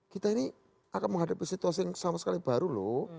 kita ini akan menghadapi situasi yang sama sekali baru lho